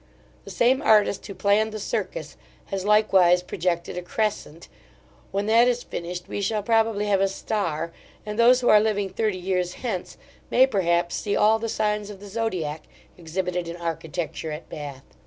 The same artist who planned the Circus, has likewise projected a Crescent; when that is finished, we shall probably have a Star; and those who are living thirty years hence, may, perhaps, see all the signs of the Zodiac exhibited in architecture at Bath.